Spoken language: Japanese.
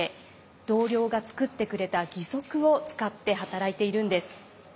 同僚が作ってくれた義足を使って働いているんです。